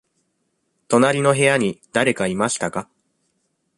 隣の部屋にだれかいましたか。